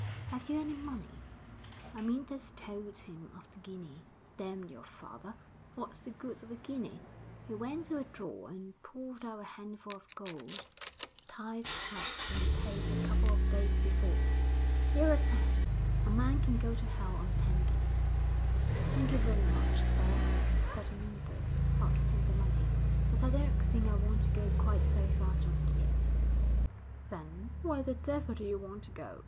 'Have you any money?' Amyntas told him of the guinea. 'Damn your father! What's the good of a guinea?' He went to a drawer and pulled out a handful of gold the tithes had been paid a couple of days before. 'Here are ten; a man can go to hell on ten guineas.' 'Thank you very much, sir,' said Amyntas, pocketing the money, 'but I don't think I want to go quite so far just yet.' 'Then where the devil do you want to go?'